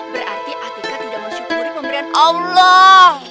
berarti atika tidak mensyukuri pemberian allah